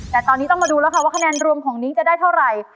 แต่ตอนนี้ต้องมาดูแล้วค่ะว่าคะแนนรวมของนิ้งจะได้เท่าไหร่